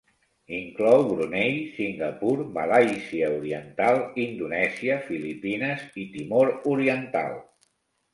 Inclou Brunei, Singapur, Malàisia Oriental, Indonèsia, Filipines i Timor Oriental.